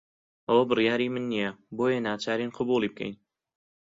ئەوە بڕیاری من نییە، بۆیە ناچارین قبوڵی بکەین.